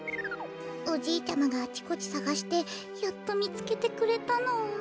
おじいちゃまがあちこちさがしてやっとみつけてくれたの。